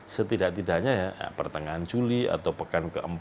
setidak tidaknya ya pertengahan juli atau pekan ke empat